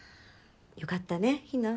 よかったね日奈。